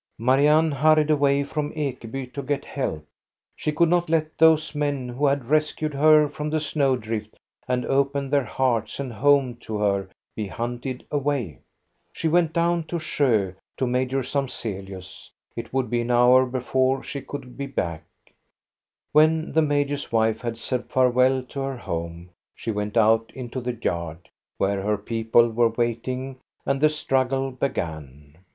Marianne hurried away from Ekeby to get help. She could not let those men who had rescued her from the snow drift and opened their hearts and home to her be hunted away. She went down to Sjo to Major Samzelius. It would be an hour before she could be back. When the major's wife had said farewell to her home, she went out into the yard, where her people were waiting, and the struggle began.